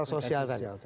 rekal sosial tadi